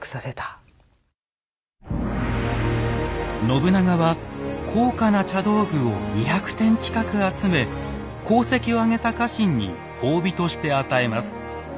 信長は高価な茶道具を２００点近く集め功績をあげた家臣に褒美として与えます。